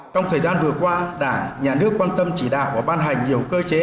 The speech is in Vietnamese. trong thời gian vừa qua đảng nhà nước quan tâm chỉ đạo và ban hành nhiều cơ chế